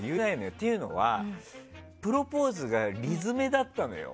っていうのは、プロポーズが理詰めだったのよ。